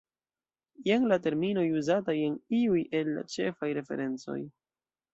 Jen la terminoj uzataj en iuj el la ĉefaj referencoj.